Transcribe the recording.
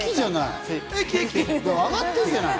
駅じゃない！